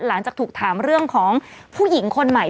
หลังจากถูกถามเรื่องของผู้หญิงคนใหม่